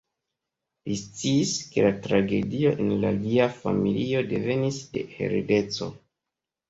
Li sciis, ke la tragedio en lia familio devenis de heredeco.